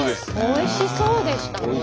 おいしそうでしたね。